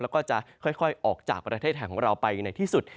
แล้วก็จะค่อยออกจากประเทศไทยของเราไปในที่สุด